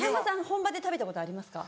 本場で食べたことありますか？